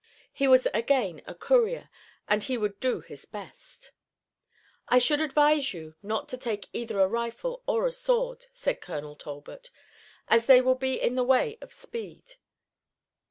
He was again a courier, and he would do his best. "I should advise you not to take either a rifle or a sword," said Colonel Talbot, "as they will be in the way of speed.